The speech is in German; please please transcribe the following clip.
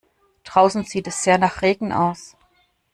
Draußen sieht es sehr nach Regen aus.